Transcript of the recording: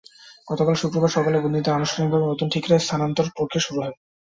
গতকাল শুক্রবার সকালে বন্দীদের আনুষ্ঠানিকভাবে নতুন ঠিকানায় স্থানান্তর প্রক্রিয়া শুরু হয়।